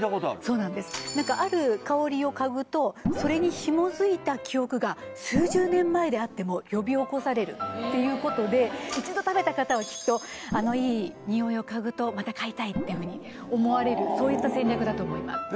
何かある香りを嗅ぐとそれにひも付いた記憶が数十年前であっても呼び起こされるっていうことで一度食べた方はきっとあのいい匂いを嗅ぐとまた買いたいっていうふうに思うそういった戦略だと思いますえ